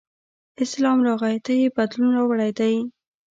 اسلام راغی ته یې بدلون راوړی دی.